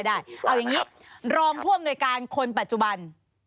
โรงแบบนี้กรองภูมิในการคนปัจจุบัน